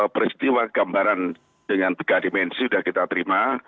peristiwa gambaran dengan tiga dimensi sudah kita terima